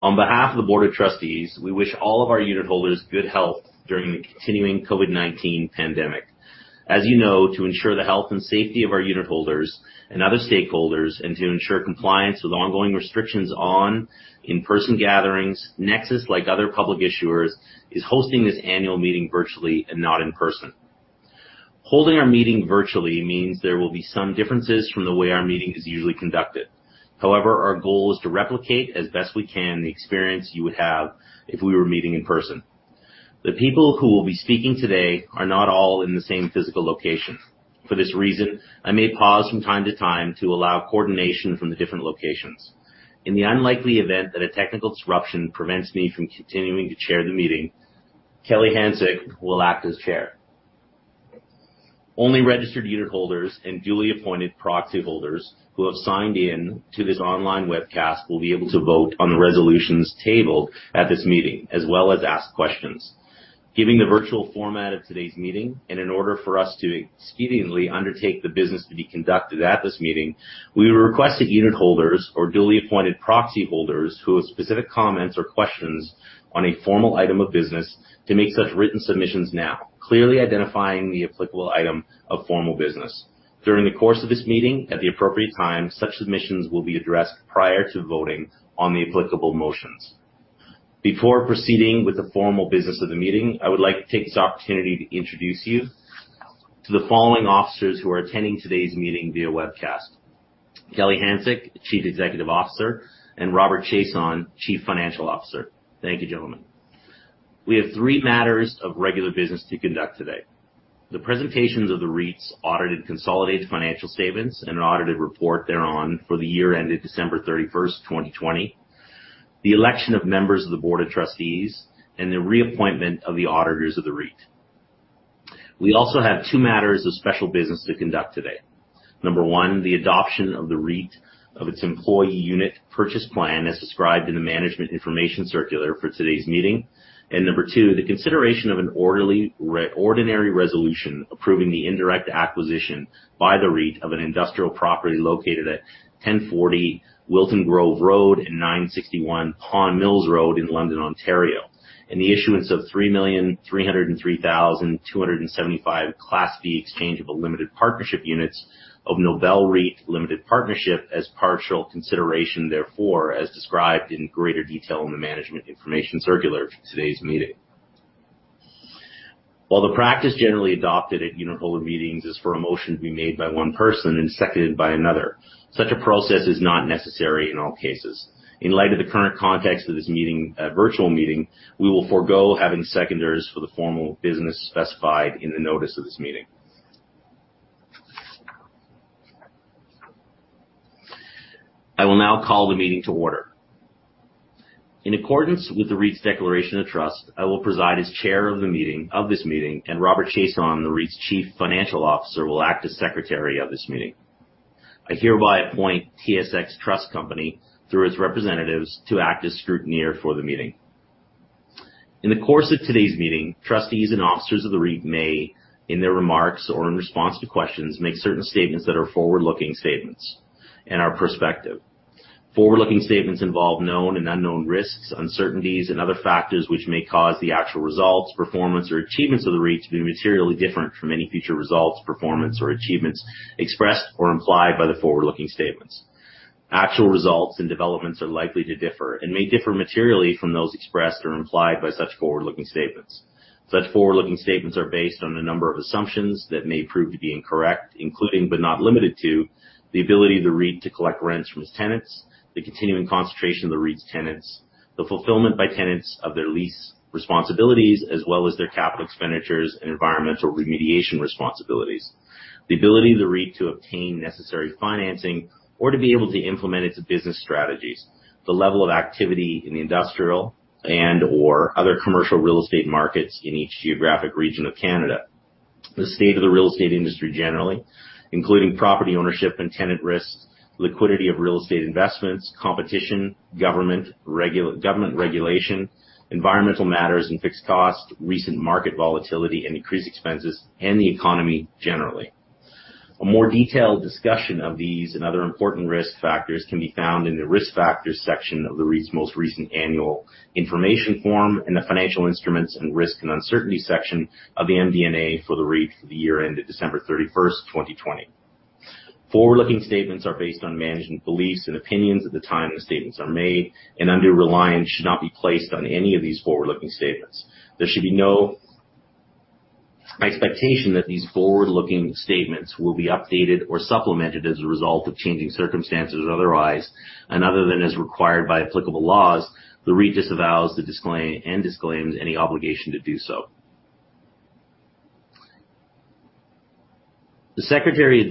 On behalf of the Board of Trustees, we wish all of our unitholders good health during the continuing COVID-19 pandemic. As you know, to ensure the health and safety of our unitholders and other stakeholders, and to ensure compliance with ongoing restrictions on in-person gatherings, Nexus, like other public issuers, is hosting this annual meeting virtually and not in person. Holding our meeting virtually means there will be some differences from the way our meeting is usually conducted. Our goal is to replicate as best we can the experience you would have if we were meeting in person. The people who will be speaking today are not all in the same physical location. For this reason, I may pause from time to time to allow coordination from the different locations. In the unlikely event that a technical disruption prevents me from continuing to chair the meeting, Kelly Hanczyk will act as chair. Only registered unitholders and duly appointed proxyholders who have signed in to this online webcast will be able to vote on the resolutions tabled at this meeting, as well as ask questions. Given the virtual format of today's meeting and in order for us to expediently undertake the business to be conducted at this meeting, we requested unitholders or duly appointed proxyholders who have specific comments or questions on a formal item of business to make such written submissions now, clearly identifying the applicable item of formal business. During the course of this meeting, at the appropriate time, such submissions will be addressed prior to voting on the applicable motions. Before proceeding with the formal business of the meeting, I would like to take this opportunity to introduce you to the following officers who are attending today's meeting via webcast. Kelly Hanczyk, Chief Executive Officer, and Robert Chiasson, Chief Financial Officer. Thank you, gentlemen. We have three matters of regular business to conduct today. The presentations of the REIT's audited consolidated financial statements and audited report thereon for the year ended December 31st, 2020, the election of members of the Board of Trustees, and the reappointment of the auditors of the REIT. We also have two matters of special business to conduct today. Number one, the adoption of the REIT of its employee unit purchase plan as described in the management information circular for today's meeting. Number two, the consideration of an ordinary resolution approving the indirect acquisition by the REIT of an industrial property located at 1040 Wilton Grove Road and 961 Pond Mills Road in London, Ontario, and the issuance of 3,303,275 Class B Exchangeable Limited Partnership Units of Nobel REIT Limited Partnership as partial consideration therefor, as described in greater detail in the management information circular for today's meeting. While the practice generally adopted at unitholder meetings is for a motion to be made by 1 person and seconded by another, such a process is not necessary in all cases. In light of the current context of this virtual meeting, we will forgo having seconders for the formal business specified in the notice of this meeting. I will now call the meeting to order. In accordance with the REIT's declaration of trust, I will preside as chair of this meeting, and Robert Chiasson, the REIT's Chief Financial Officer, will act as secretary of this meeting. I hereby appoint TSX Trust Company through its representatives to act as scrutineer for the meeting. In the course of today's meeting, trustees and officers of the REIT may, in their remarks or in response to questions, make certain statements that are forward-looking statements and are prospective. Forward-looking statements involve known and unknown risks, uncertainties, and other factors which may cause the actual results, performance, or achievements of the REIT to be materially different from any future results, performance, or achievements expressed or implied by the forward-looking statements. Actual results and developments are likely to differ and may differ materially from those expressed or implied by such forward-looking statements. Such forward-looking statements are based on a number of assumptions that may prove to be incorrect, including, but not limited to, the ability of the REIT to collect rents from its tenants, the continuing concentration of the REIT's tenants, the fulfillment by tenants of their lease responsibilities, as well as their capital expenditures and environmental remediation responsibilities, the ability of the REIT to obtain necessary financing or to be able to implement its business strategies, the level of activity in industrial and or other commercial real estate markets in each geographic region of Canada, the state of the real estate industry generally, including property ownership and tenant risks, liquidity of real estate investments, competition, government regulation, environmental matters and fixed cost, recent market volatility and increased expenses, and the economy generally. A more detailed discussion of these and other important risk factors can be found in the Risk Factors section of the REIT's most recent annual information form and the Financial Instruments and the Risks and Uncertainty section of the MD&A for the REIT for the year ended December 31st, 2020. Forward-looking statements are based on management beliefs and opinions at the time the statements are made, undue reliance should not be placed on any of these forward-looking statements. There should be no expectation that these forward-looking statements will be updated or supplemented as a result of changing circumstances or otherwise. Other than as required by applicable laws, the REIT disavows the disclaimer and disclaims any obligation to do so. The secretary has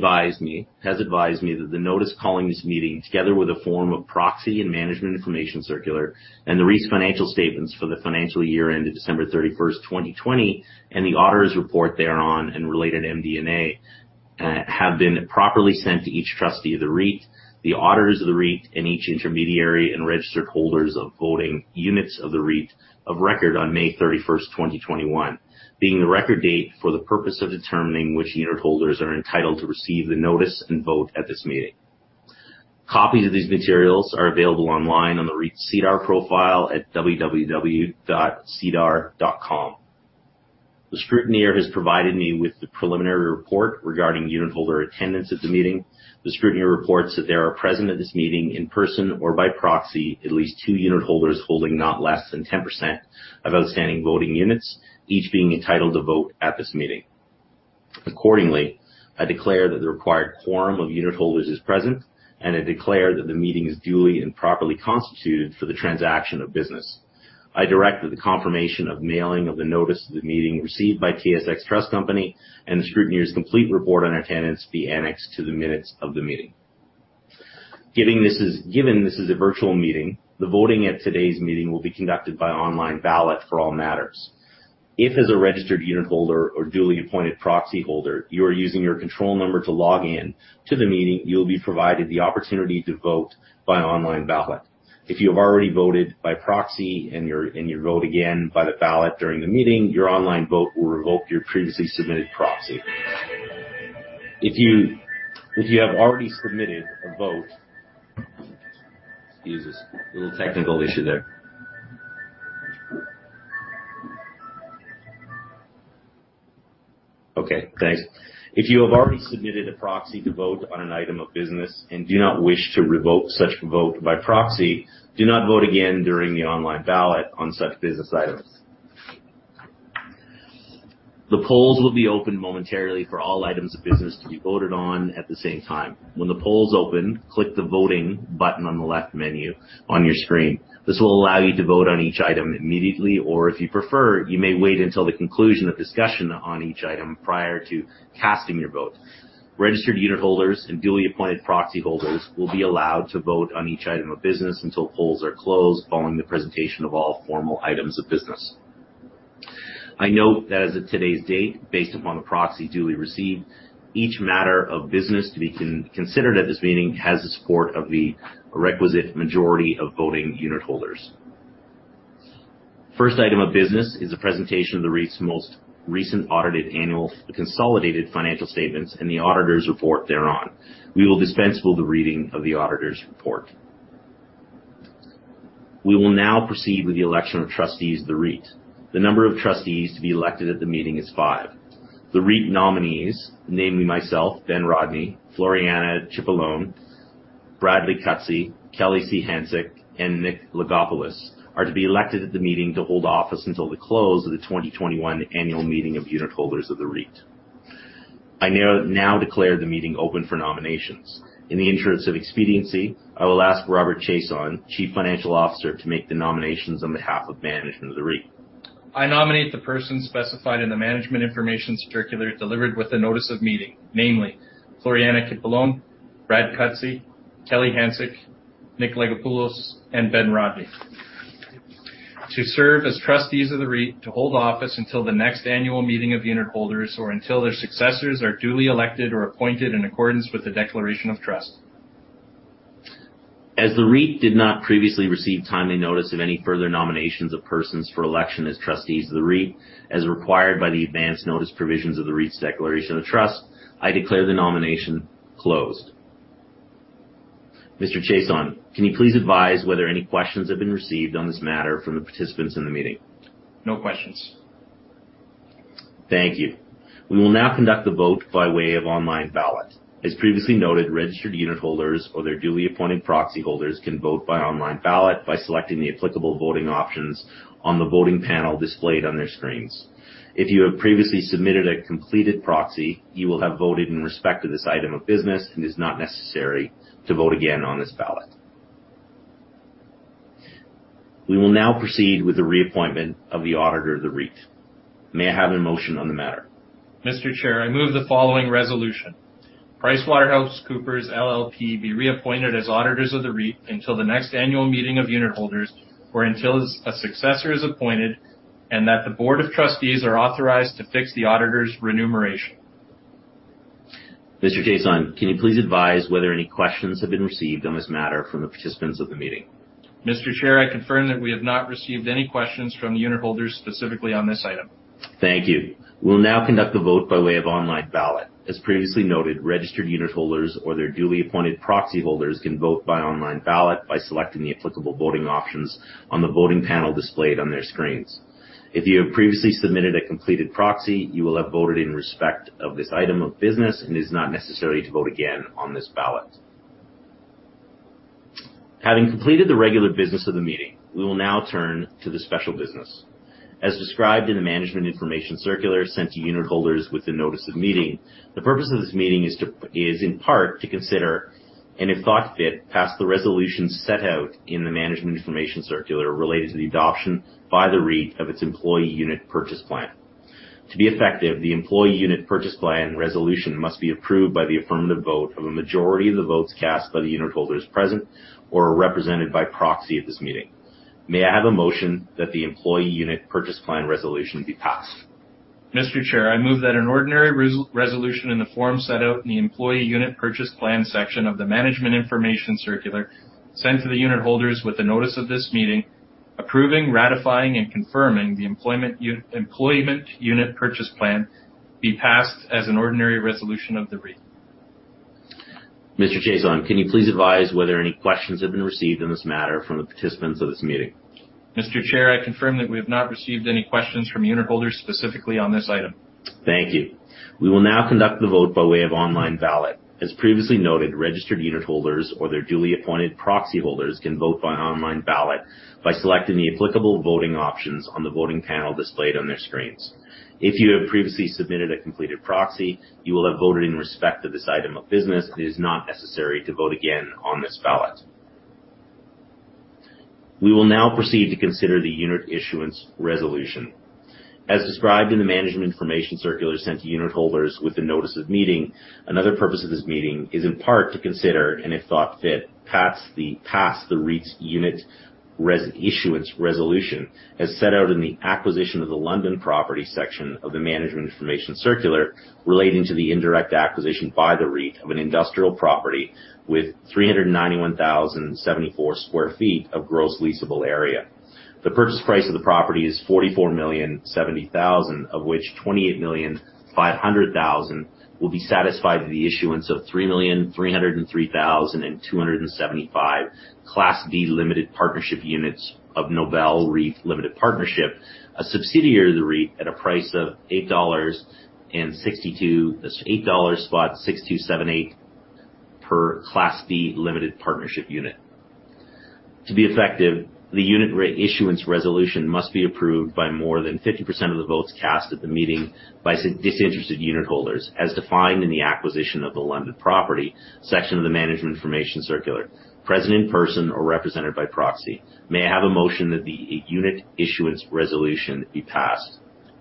advised me that the notice calling this meeting, together with a form of proxy and management information circular and the REIT's financial statements for the financial year ended December 31, 2020, and the auditor's report thereon and related MD&A, have been properly sent to each trustee of the REIT, the auditors of the REIT, and each intermediary and registered holders of voting units of the REIT of record on May 31, 2021, being the record date for the purpose of determining which unitholders are entitled to receive the notice and vote at this meeting. Copies of these materials are available online on the REIT's SEDAR profile at www.sedar.com. The scrutineer has provided me with the preliminary report regarding unitholder attendance at the meeting. The scrutineer reports that there are present at this meeting, in person or by proxy, at least 2 unitholders holding not less than 10% of outstanding voting units, each being entitled to vote at this meeting. Accordingly, I declare that the required quorum of unitholders is present, and I declare that the meeting is duly and properly constituted for the transaction of business. I direct that the confirmation of mailing of the notice of the meeting received by TSX Trust Company and the scrutineer's complete report on attendance be annexed to the minutes of the meeting. Given this is a virtual meeting, the voting at today's meeting will be conducted by online ballot for all matters. If, as a registered unitholder or duly appointed proxyholder, you are using your control number to log in to the meeting, you'll be provided the opportunity to vote by online ballot. If you have already voted by proxy and you vote again by the ballot during the meeting, your online vote will revoke your previously submitted proxy. Excuse us. A little technical issue there. Okay, thanks. If you have already submitted a proxy to vote on an item of business and do not wish to revoke such vote by proxy, do not vote again during the online ballot on such business items. The polls will be open momentarily for all items of business to be voted on at the same time. When the polls open, click the Voting button on the left menu on your screen. This will allow you to vote on each item immediately, or if you prefer, you may wait until the conclusion of discussion on each item prior to casting your vote. Registered unitholders and duly appointed proxyholders will be allowed to vote on each item of business until polls are closed following the presentation of all formal items of business. I note that as of today's date, based upon the proxies duly received, each matter of business to be considered at this meeting has the support of the requisite majority of voting unitholders. First item of business is a presentation of the REIT's most recent audited annual consolidated financial statements and the auditor's report thereon. We will dispense with the reading of the auditor's report. We will now proceed with the election of trustees of the REIT. The number of trustees to be elected at the meeting is five. The REIT nominees, namely myself, Ben Rodney, Floriana Cipollone, Brad Cutsey, Kelly C. Hanczyk, and Nick Lagopoulos, are to be elected at the meeting to hold office until the close of the 2021 annual meeting of unitholders of the REIT. I now declare the meeting open for nominations. In the interest of expediency, I will ask Robert Chiasson, Chief Financial Officer, to make the nominations on behalf of management of the REIT. I nominate the persons specified in the management information circular delivered with the notice of meeting, namely Floriana Cipollone, Brad Cutsey, Kelly Hanczyk, Nick Lagopoulos, and Ben Rodney, to serve as trustees of the REIT to hold office until the next annual meeting of the unitholders or until their successors are duly elected or appointed in accordance with the declaration of trust. As the REIT did not previously receive timely notice of any further nominations of persons for election as trustees of the REIT, as required by the advance notice provisions of the REIT's declaration of trust, I declare the nomination closed. Mr. Chiasson, can you please advise whether any questions have been received on this matter from the participants in the meeting? No questions. Thank you. We will now conduct the vote by way of online ballot. it is not necessary to vote again on this ballot. Having completed the regular business of the meeting, we will now turn to the special business. As described in the management information circular sent to unitholders with the notice of meeting, the purpose of this meeting is in part to consider, and if thought fit, pass the resolution set out in the management information circular relating to the adoption by the REIT of its employee unit purchase plan. To be effective, the employee unit purchase plan resolution must be approved by the affirmative vote of a majority of the votes cast by the unitholders present or represented by proxy at this meeting. May I have a motion that the employee unit purchase plan resolution be passed? Mr. Chair, I move that an ordinary resolution in the form set out in the employee unit purchase plan section of the management information circular sent to the unitholders with the notice of this meeting, approving, ratifying, and confirming the employee unit purchase plan be passed as an ordinary resolution of the REIT. Mr. Chiasson, can you please advise whether any questions have been received on this matter from the participants of this meeting? Mr. Chair, I confirm that we have not received any questions from unitholders specifically on this item. Thank you. We will now conduct the vote by way of online ballot. As previously noted, registered unitholders or their duly appointed proxyholders can vote by an online ballot by selecting the applicable voting options on the voting panel displayed on their screens. If you have previously submitted a completed proxy, you will have voted in respect to this item of business, and it is not necessary to vote again on this ballot. We will now proceed to consider the unit issuance resolution. As described in the Management Information Circular sent to unitholders with the notice of meeting, another purpose of this meeting is in part to consider and, if thought fit, pass the REIT's unit issuance resolution, as set out in the acquisition of the London property section of the Management Information Circular relating to the indirect acquisition by the REIT of an industrial property with 391,074 sq ft of gross leasable area. The purchase price of the property is 44,070,000, of which 28,500,000 will be satisfied with the issuance of 3,303,275 Class B limited partnership units of Nobel REIT Limited Partnership, a subsidiary of the REIT at a price of 8.6278 dollars per Class B limited partnership unit. To be effective, the unit issuance resolution must be approved by more than 50% of the votes cast at the meeting by disinterested unitholders, as defined in the acquisition of the London property section of the Management Information Circular, present in person or represented by proxy. May I have a motion that the unit issuance resolution be passed.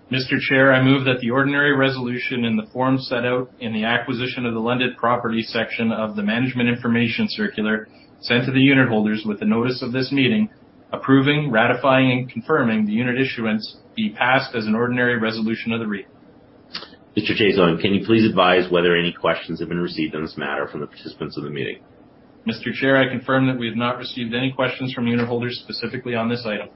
Mr. Chair, I move that the ordinary resolution in the form set out in the acquisition of the London property section of the Management Information Circular sent to the unitholders with the notice of this meeting, approving, ratifying, and confirming the unit issuance be passed as an ordinary resolution of the REIT. Mr. Chiasson, can you please advise whether any questions have been received on this matter from the participants of the meeting? Mr. Chair, I confirm that we have not received any questions from unitholders specifically on this item.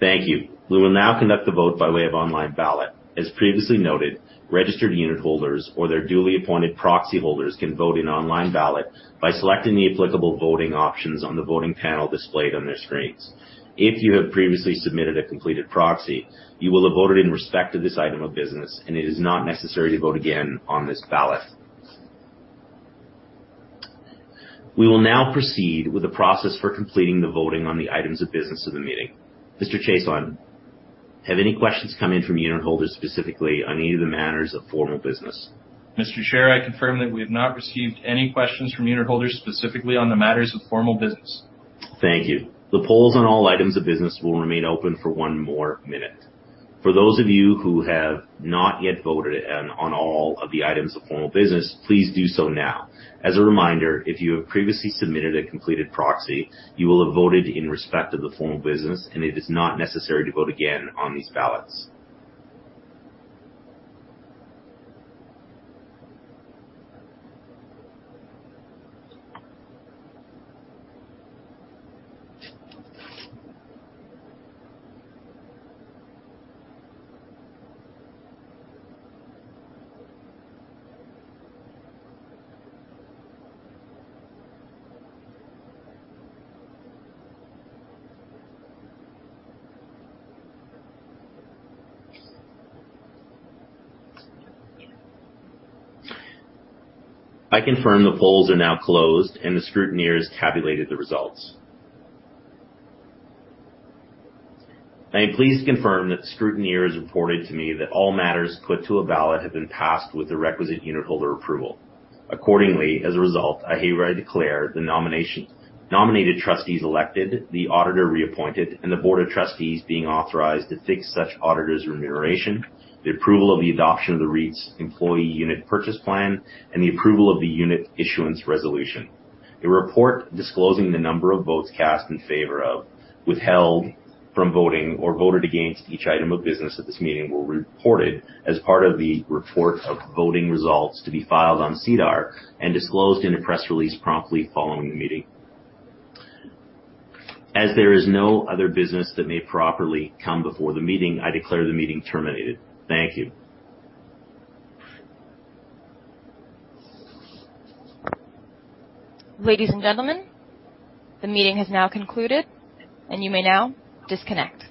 Thank you. We will now conduct the vote by way of online ballot. As previously noted, registered unitholders or their duly appointed proxyholders can vote in online ballot by selecting the applicable voting options on the voting panel displayed on their screens. If you have previously submitted a completed proxy, you will have voted in respect to this item of business, and it is not necessary to vote again on this ballot. We will now proceed with the process for completing the voting on the items of business of the meeting. Mr. Chiasson, have any questions come in from unitholders specifically on any of the matters of formal business? Mr. Chair, I confirm that we have not received any questions from unitholders specifically on the matters of formal business. Thank you. The polls on all items of business will remain open for one more minute. For those of you who have not yet voted on all of the items of formal business, please do so now. As a reminder, if you have previously submitted a completed proxy, you will have voted in respect of the formal business, and it is not necessary to vote again on these ballots. I confirm the polls are now closed, and the scrutineer has tabulated the results. I please confirm that the scrutineer has reported to me that all matters put to a ballot have been passed with the requisite unitholder approval. As a result, I hereby declare the nominated trustees elected, the auditor reappointed, and the Board of Trustees being authorized to fix such auditor's remuneration, the approval of the adoption of the REIT's employee unit purchase plan, and the approval of the unit issuance resolution. A report disclosing the number of votes cast in favor of, withheld from voting, or voted against each item of business at this meeting will be reported as part of the report of voting results to be filed on SEDAR and disclosed in a press release promptly following the meeting. As there is no other business that may properly come before the meeting, I declare the meeting terminated. Thank you. Ladies and gentlemen, the meeting has now concluded, and you may now disconnect.